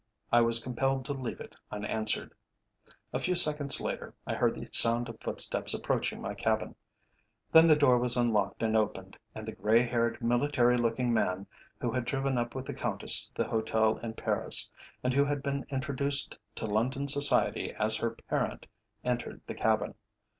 I was compelled to leave it unanswered. A few seconds later I heard the sound of footsteps approaching my cabin. Then the door was unlocked and opened, and the grey haired, military looking man, who had driven up with the Countess to the hotel in Paris, and who had been introduced to London society as her parent, entered the cabin.